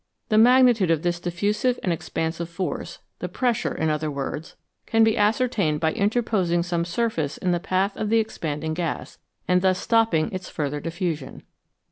The magnitude of this diffusive and expansive force the pressure, in other words can be ascertained by interposing some surface in the path of the expanding gas, and thus stopping its further diffusion.